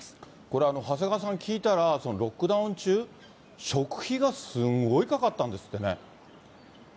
これ、長谷川さん、聞いたら、ロックダウン中、食費がすごいかかったんですってね。